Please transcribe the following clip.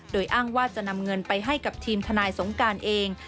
โดยอ้างว่าจะนำเงินไปให้กับทีมทนายสงการเอง